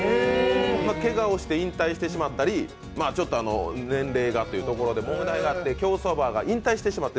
けがをして引退してじつったり年齢がというところで問題があって競走馬が引退してしまって。